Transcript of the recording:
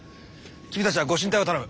君たちは御神体を頼む！